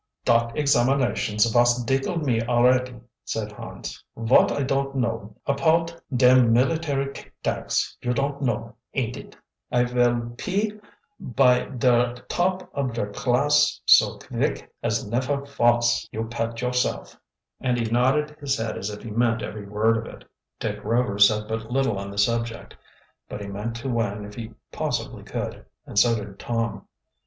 "Dot examinations vos dickle me alretty," said Hans. "Vot I don't know apoud dem military tictacs you don't know, ain't it. I vill pe by der top of der class so kvick as neffer vos, you pet yourself!" And he nodded his head as if he meant every word of it. Dick Rover said but little on the subject, but he meant to win if he possibly could, and so did Tom.